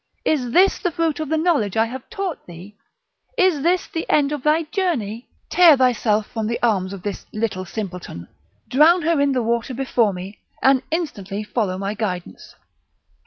is this the fruit of the knowledge I have taught thee? is this the end of thy journey? tear thyself from the arms of this little simpleton, drown her in the water before me, and instantly follow my guidance."